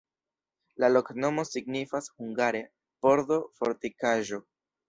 La loknomo signifas hungare: pordo-fortikaĵo.